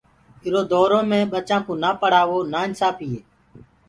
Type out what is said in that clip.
ايٚرو دورو مي ٻچآنٚ ڪو نآ پڙهآوو نآ انسآڦيٚ هي